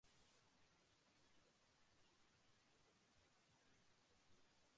এটিকে অনেকে বিলাই-চিমটি বা বিড়ালের-চিমটি নামেও চিনে থাকে।